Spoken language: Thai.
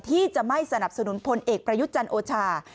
ที่จะไม่สนับสนุนพลเอกประยุทธ์จันทร์โอชา